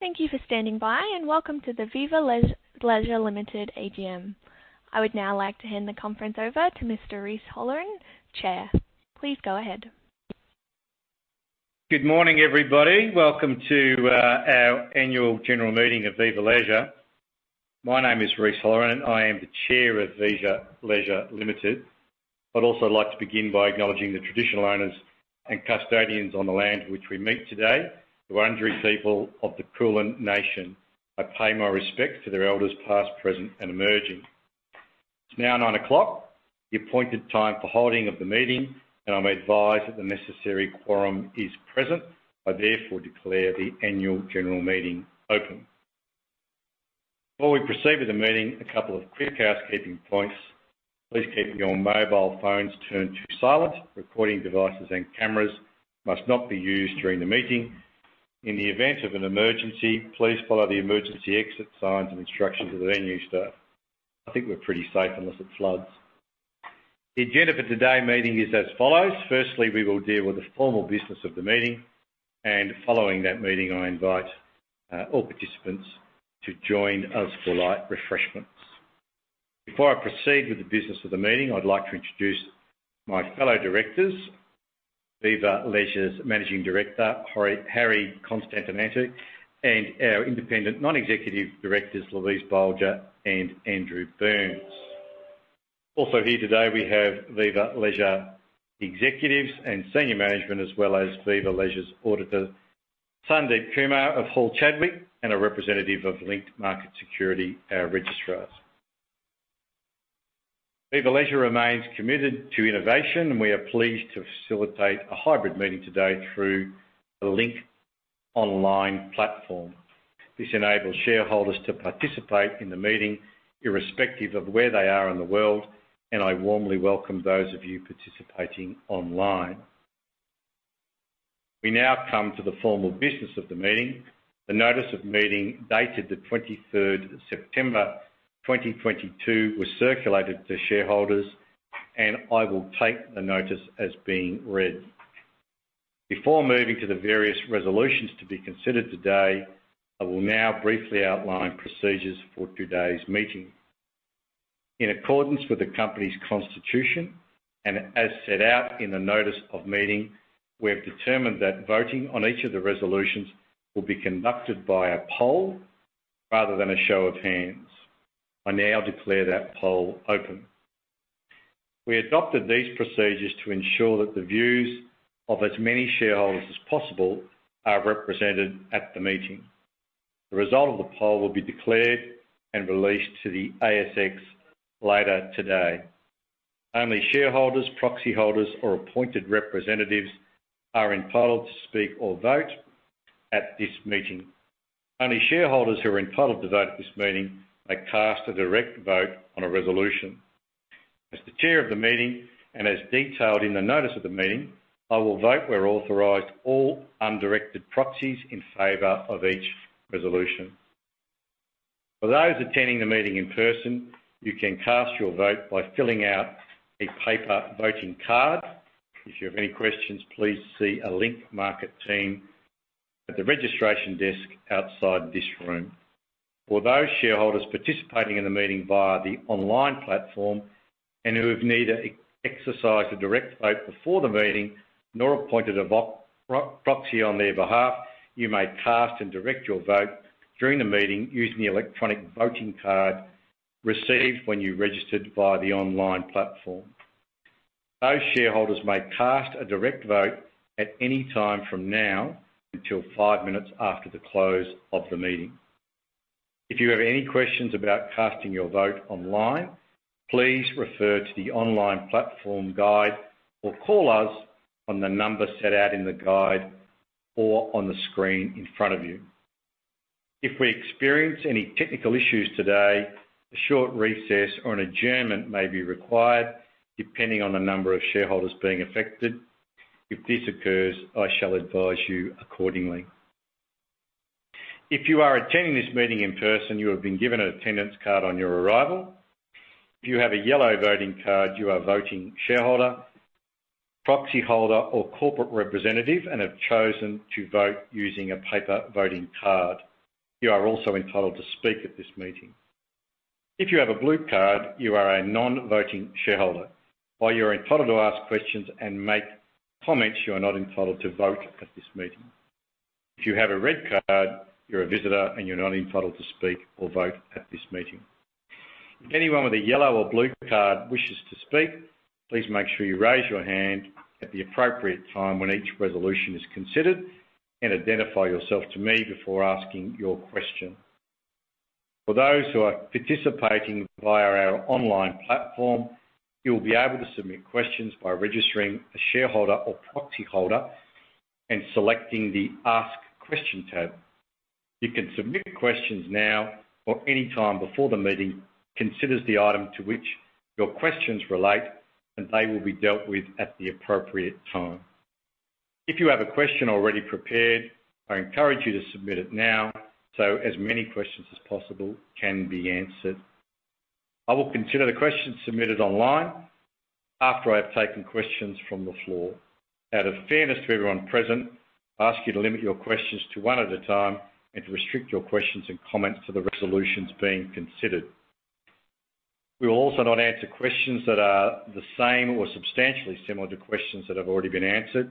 Thank you for standing by and welcome to the Viva Leisure Limited AGM. I would now like to hand the conference over to Mr. Rhys Holleran, Chair. Please go ahead. Good morning, everybody. Welcome to our annual general meeting of Viva Leisure. My name is Rhys Holleran. I am the Chair of Viva Leisure Limited. I'd also like to begin by acknowledging the traditional owners and custodians on the land which we meet today, the Wurundjeri people of the Kulin Nation. I pay my respect to their elders, past, present, and emerging. It's now 9:00 A.M., the appointed time for holding of the meeting, and I'm advised that the necessary quorum is present. I therefore declare the annual general meeting open. Before we proceed with the meeting, a couple of quick housekeeping points. Please keep your mobile phones turned to silent. Recording devices and cameras must not be used during the meeting. In the event of an emergency, please follow the emergency exit signs and instructions of the venue staff. I think we're pretty safe unless it floods. The agenda for today's meeting is as follows. Firstly, we will deal with the formal business of the meeting, and following that meeting, I invite all participants to join us for light refreshments. Before I proceed with the business of the meeting, I'd like to introduce my fellow directors, Viva Leisure's Managing Director, Harry Konstantinou and our independent non-executive directors, Louise Bolger and Andrew Burns. Also here today, we have Viva Leisure executives and senior management, as well as Viva Leisure's auditor, Sandeep Kumar of Hall Chadwick, and a representative of Link Market Services, our registrars. Viva Leisure remains committed to innovation, and we are pleased to facilitate a hybrid meeting today through the Link online platform. This enables shareholders to participate in the meeting irrespective of where they are in the world, and I warmly welcome those of you participating online. We now come to the formal business of the meeting. The notice of meeting, dated the 23rd September 2022, was circulated to shareholders, and I will take the notice as being read. Before moving to the various resolutions to be considered today, I will now briefly outline procedures for today's meeting. In accordance with the company's constitution and as set out in the notice of meeting, we have determined that voting on each of the resolutions will be conducted by a poll rather than a show of hands. I now declare that poll open. We adopted these procedures to ensure that the views of as many shareholders as possible are represented at the meeting. The result of the poll will be declared and released to the ASX later today. Only shareholders, proxy holders or appointed representatives are entitled to speak or vote at this meeting. Only shareholders who are entitled to vote at this meeting may cast a direct vote on a resolution. As the chair of the meeting and as detailed in the notice of the meeting, I will vote where authorized all undirected proxies in favor of each resolution. For those attending the meeting in person, you can cast your vote by filling out a paper voting card. If you have any questions, please see a Link Market Services team at the registration desk outside this room. For those shareholders participating in the meeting via the online platform and who have neither exercised a direct vote before the meeting nor appointed a proxy on their behalf, you may cast and direct your vote during the meeting using the electronic voting card received when you registered via the online platform. Those shareholders may cast a direct vote at any time from now until five minutes after the close of the meeting. If you have any questions about casting your vote online, please refer to the online platform guide or call us on the number set out in the guide or on the screen in front of you. If we experience any technical issues today, a short recess or an adjournment may be required depending on the number of shareholders being affected. If this occurs, I shall advise you accordingly. If you are attending this meeting in person, you have been given an attendance card on your arrival. If you have a yellow voting card, you are a voting shareholder, proxyholder or corporate representative and have chosen to vote using a paper voting card. You are also entitled to speak at this meeting. If you have a blue card, you are a non-voting shareholder. While you are entitled to ask questions and make comments, you are not entitled to vote at this meeting. If you have a red card, you're a visitor, and you're not entitled to speak or vote at this meeting. If anyone with a yellow or blue card wishes to speak, please make sure you raise your hand at the appropriate time when each resolution is considered and identify yourself to me before asking your question. For those who are participating via our online platform, you will be able to submit questions by registering a shareholder or proxyholder and selecting the Ask Question tab. You can submit questions now or any time before the meeting considers the item to which your questions relate, and they will be dealt with at the appropriate time. If you have a question already prepared, I encourage you to submit it now so as many questions as possible can be answered. I will consider the questions submitted online after I've taken questions from the floor. Out of fairness to everyone present, I ask you to limit your questions to one at a time and to restrict your questions and comments to the resolutions being considered. We will also not answer questions that are the same or substantially similar to questions that have already been answered.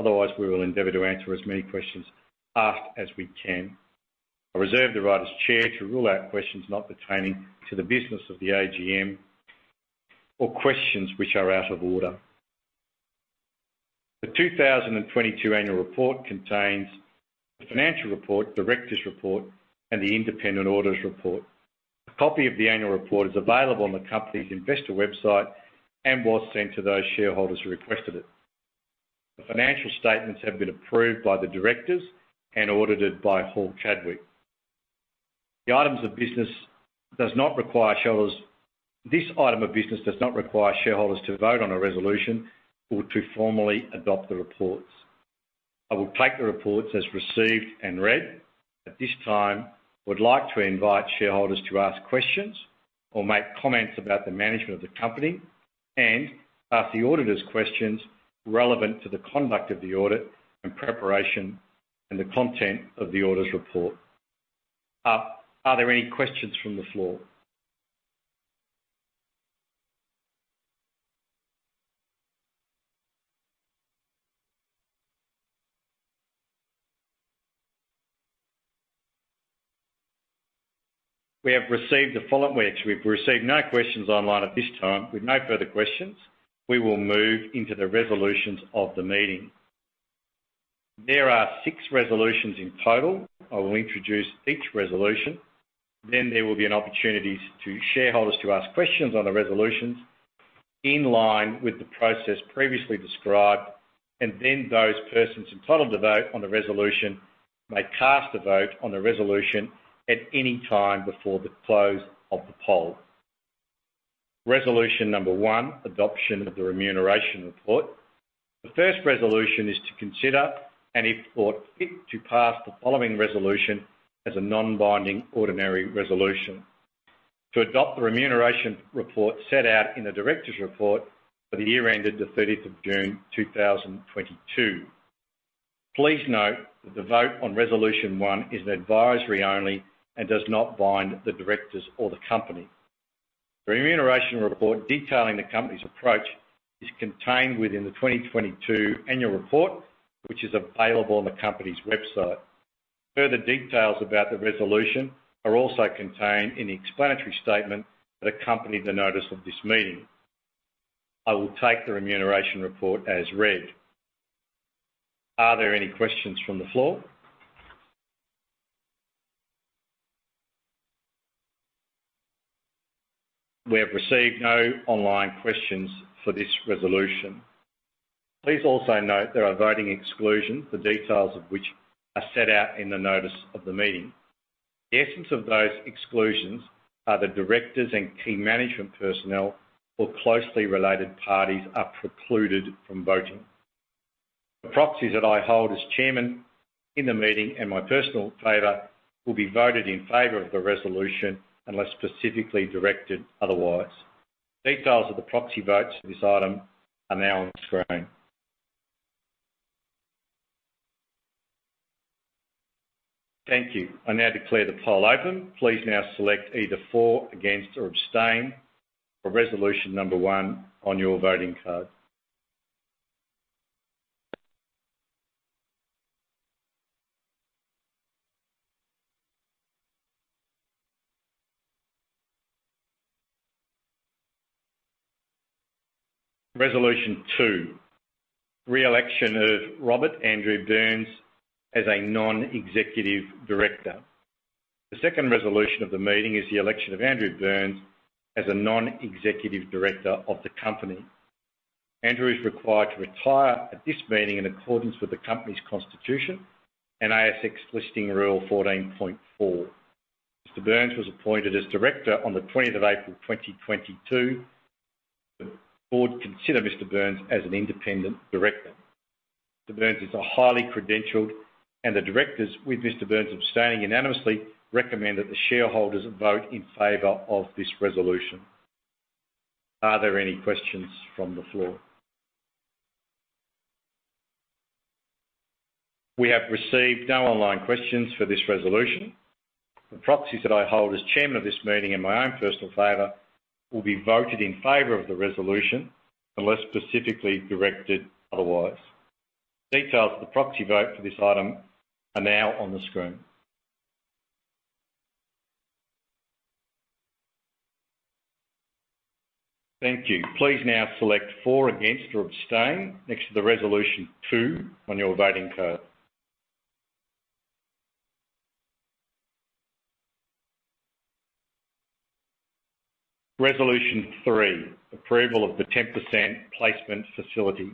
Otherwise, we will endeavor to answer as many questions asked as we can. I reserve the right as chair to rule out questions not pertaining to the business of the AGM or questions which are out of order. The 2022 annual report contains the financial report, directors' report, and the independent audit report. A copy of the annual report is available on the company's investor website and was sent to those shareholders who requested it. The financial statements have been approved by the directors and audited by Hall Chadwick. This item of business does not require shareholders to vote on a resolution or to formally adopt the reports. I will take the reports as received and read. At this time, I would like to invite shareholders to ask questions or make comments about the management of the company and ask the auditors questions relevant to the conduct of the audit and preparation and the content of the audit's report. Are there any questions from the floor? We've received no questions online at this time. With no further questions, we will move into the resolutions of the meeting. There are 6 resolutions in total. I will introduce each resolution, then there will be an opportunity for shareholders to ask questions on the resolutions in line with the process previously described, and then those persons entitled to vote on the resolution may cast a vote on the resolution at any time before the close of the poll. Resolution number 1, adoption of the remuneration report. The first resolution is to consider and if thought fit, to pass the following resolution as a non-binding ordinary resolution: to adopt the remuneration report set out in the directors' report for the year ended the 30th of June 2022. Please note that the vote on resolution 1 is advisory only and does not bind the directors or the company. The remuneration report detailing the company's approach is contained within the 2022 annual report, which is available on the company's website. Further details about the resolution are also contained in the explanatory statement that accompanied the notice of this meeting. I will take the remuneration report as read. Are there any questions from the floor? We have received no online questions for this resolution. Please also note there are voting exclusions, the details of which are set out in the notice of the meeting. The essence of those exclusions are the directors and key management personnel or closely related parties are precluded from voting. The proxies that I hold as Chairman of the meeting, and my personal vote will be voted in favor of the resolution unless specifically directed otherwise. Details of the proxy votes for this item are now on the screen. Thank you. I now declare the poll open. Please now select either for, against, or abstain for resolution number one on your voting card. Resolution two, re-election of Robert Andrew Burns as a non-executive director. The second resolution of the meeting is the election of Andrew Burns as a non-executive director of the company. Andrew is required to retire at this meeting in accordance with the company's constitution and ASX Listing Rule 14.4. Mr. Burns was appointed as director on the 20th of April 2022. The board consider Mr. Burns as an independent director. Mr. Burns is a highly credentialed, and the directors, with Mr. Burns abstaining unanimously, recommend that the shareholders vote in favor of this resolution. Are there any questions from the floor? We have received no online questions for this resolution. The proxies that I hold as chairman of this meeting and my own personal favor will be voted in favor of the resolution unless specifically directed otherwise. Details of the proxy vote for this item are now on the screen. Thank you. Please now select for, against, or abstain next to Resolution 2 on your voting card. Resolution 3, approval of the 10% placement facility.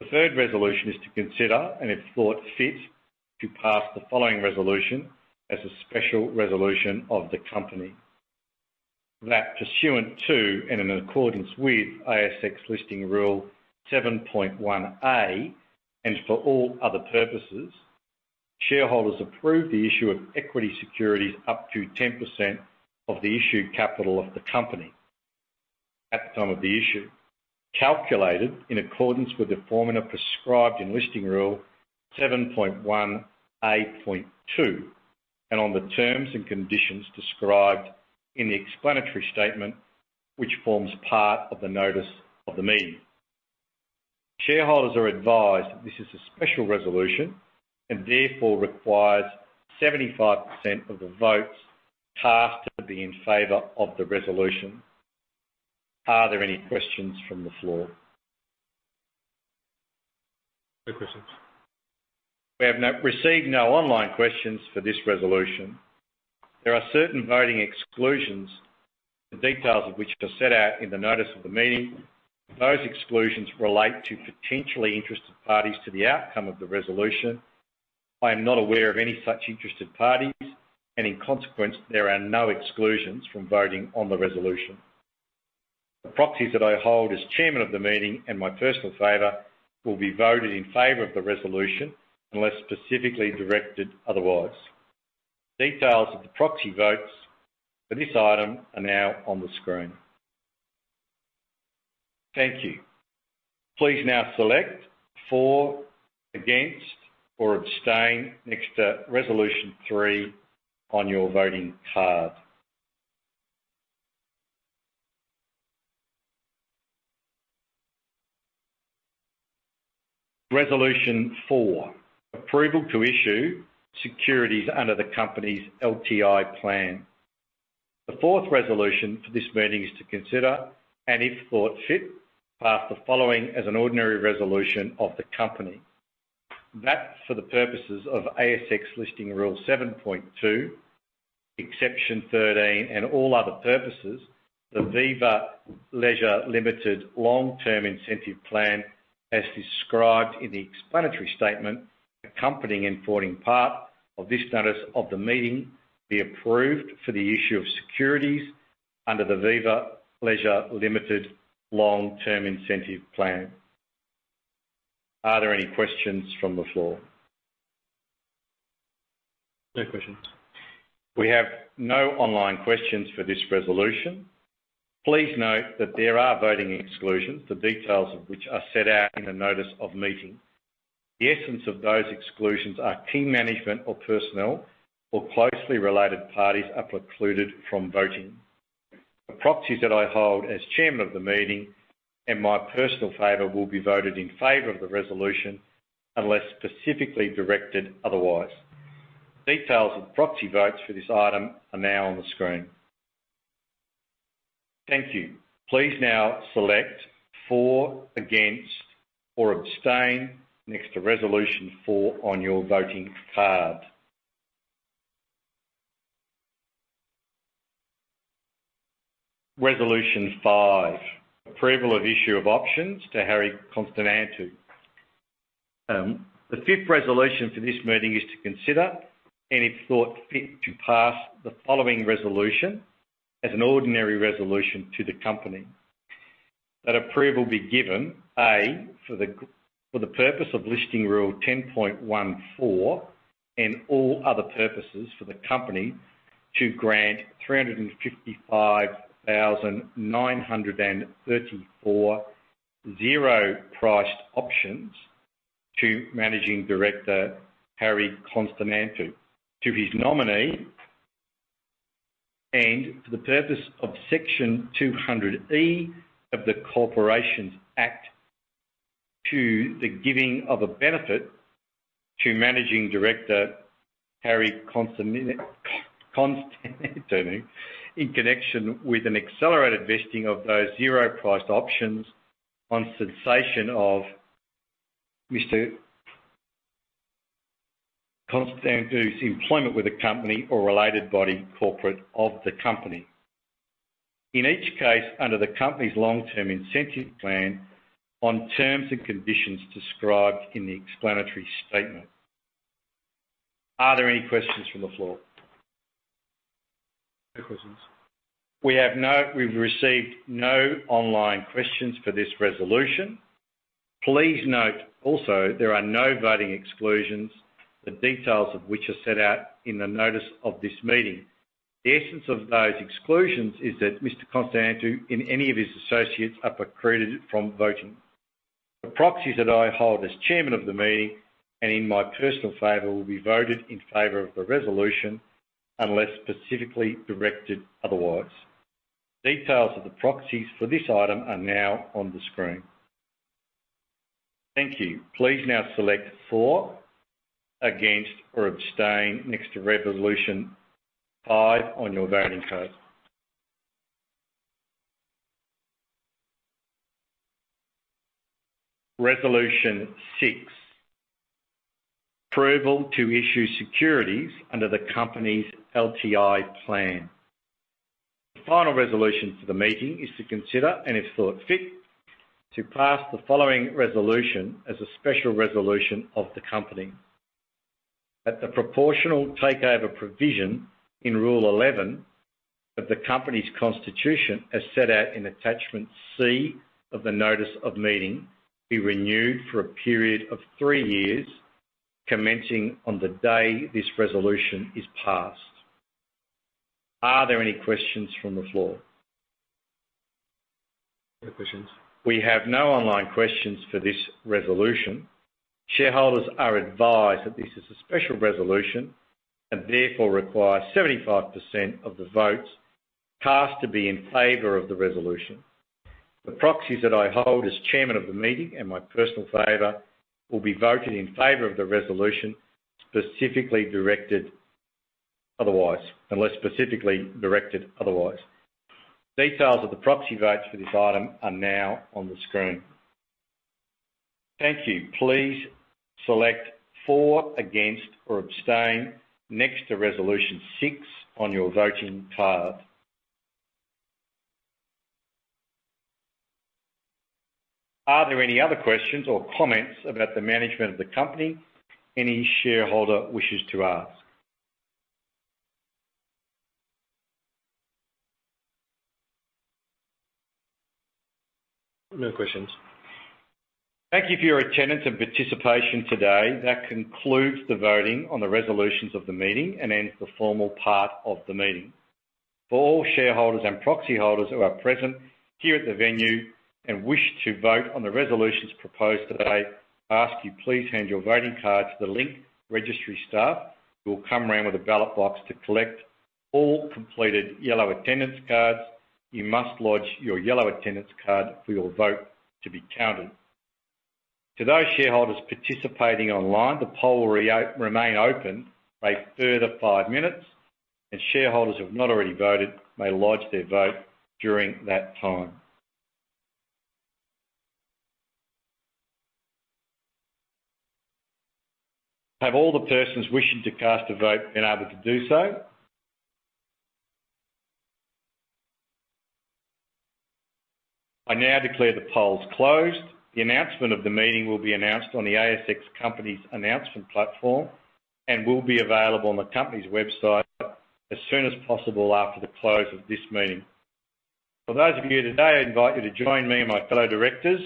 The third resolution is to consider and if thought fit, to pass the following resolution as a special resolution of the company. That pursuant to and in accordance with ASX Listing Rule 7.1A, and for all other purposes, shareholders approve the issue of equity securities up to 10% of the issued capital of the company at the time of the issue, calculated in accordance with the formula prescribed in Listing Rule 7.1, 8.2, and on the terms and conditions described in the explanatory statement, which forms part of the notice of the meeting. Shareholders are advised that this is a special resolution and therefore requires 75% of the votes cast to be in favor of the resolution. Are there any questions from the floor? No questions. We have received no online questions for this resolution. There are certain voting exclusions, the details of which are set out in the notice of the meeting. Those exclusions relate to potentially interested parties to the outcome of the resolution. I am not aware of any such interested parties, and in consequence, there are no exclusions from voting on the resolution. The proxies that I hold as chairman of the meeting and my personal vote will be voted in favor of the resolution unless specifically directed otherwise. Details of the proxy votes for this item are now on the screen. Thank you. Please now select for, against, or abstain next to Resolution 3 on your voting card. Resolution 4, approval to issue securities under the company's LTI plan. The fourth resolution for this meeting is to consider, and if thought fit, pass the following as an ordinary resolution of the company. That for the purposes of ASX Listing Rule 7.2, Exception 13 and all other purposes, the Viva Leisure Limited Long-Term Incentive Plan, as described in the explanatory statement accompanying and forming part of this notice of the meeting, be approved for the issue of securities under the Viva Leisure Limited Long-Term Incentive Plan. Are there any questions from the floor? No questions. We have no online questions for this resolution. Please note that there are voting exclusions, the details of which are set out in the notice of meeting. The essence of those exclusions are key management or personnel or closely related parties are precluded from voting. The proxies that I hold as chairman of the meeting and my personal favor will be voted in favor of the resolution unless specifically directed otherwise. Details of proxy votes for this item are now on the screen. Thank you. Please now select for, against, or abstain next to Resolution four on your voting card. Resolution five, approval of issue of options to Harry Konstantinou. The fifth resolution for this meeting is to consider, and if thought fit, to pass the following resolution as an ordinary resolution to the company. That approval be given, A, for the purpose of Listing Rule 10.14 and all other purposes for the company to grant 355,934 zero-priced options to Managing Director Harry Konstantinou to his nominee. For the purpose of Section 200E of the Corporations Act to the giving of a benefit to Managing Director Harry Konstantinou in connection with an accelerated vesting of those zero-priced options on cessation of Mr. Konstantinou's employment with the company or related body corporate of the company. In each case, under the company's Long-Term Incentive Plan on terms and conditions described in the explanatory statement. Are there any questions from the floor? No questions. We've received no online questions for this resolution. Please note also there are no voting exclusions, the details of which are set out in the notice of this meeting. The essence of those exclusions is that Mr. Konstantinou and any of his associates are precluded from voting. The proxies that I hold as chairman of the meeting and in my personal favor will be voted in favor of the resolution unless specifically directed otherwise. Details of the proxies for this item are now on the screen. Thank you. Please now select for, against, or abstain next to Resolution five on your voting card. Resolution six, approval to issue securities under the company's LTI plan. The final resolution for the meeting is to consider, and if thought fit, to pass the following resolution as a special resolution of the company. That the proportional takeover provision in Rule 11 of the company's constitution, as set out in Attachment C of the notice of meeting, be renewed for a period of three years, commencing on the day this resolution is passed. Are there any questions from the floor? No questions. We have no online questions for this resolution. Shareholders are advised that this is a special resolution and therefore requires 75% of the votes cast to be in favor of the resolution. The proxies that I hold as chairman of the meeting, in my personal favor, will be voted in favor of the resolution unless specifically directed otherwise. Details of the proxy votes for this item are now on the screen. Thank you. Please select for, against, or abstain next to resolution 6 on your voting card. Are there any other questions or comments about the management of the company any shareholder wishes to ask? No questions. Thank you for your attendance and participation today. That concludes the voting on the resolutions of the meeting and ends the formal part of the meeting. For all shareholders and proxy holders who are present here at the venue and wish to vote on the resolutions proposed today, I ask you please hand your voting card to the Link Market Services staff who will come around with a ballot box to collect all completed yellow attendance cards. You must lodge your yellow attendance card for your vote to be counted. To those shareholders participating online, the poll will remain open a further five minutes, and shareholders who have not already voted may lodge their vote during that time. Have all the persons wishing to cast a vote been able to do so? I now declare the polls closed. The announcement of the meeting will be announced on the ASX Company Announcements Platform and will be available on the company's website as soon as possible after the close of this meeting. For those of you here today, I invite you to join me and my fellow directors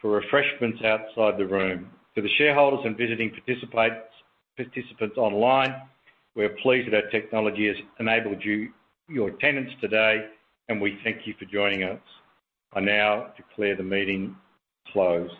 for refreshments outside the room. For the shareholders and visiting participants online, we are pleased that technology has enabled your attendance today, and we thank you for joining us. I now declare the meeting closed.